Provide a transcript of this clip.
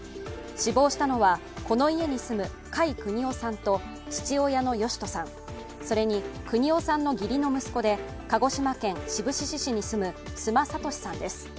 死亡したのは、この家に住む甲斐邦雄さんと父親の義人さん、それに邦雄さんの義理の息子で鹿児島県志布志市に住む須磨俊さんです。